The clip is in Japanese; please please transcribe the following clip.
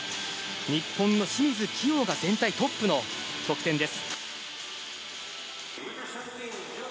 日本の清水希容が全体トップの得点です。